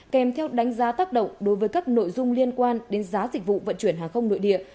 kèm theo đánh giá tác động đối với các nội dung liên quan đến giá dịch vụ vận chuyển hàng không nội địa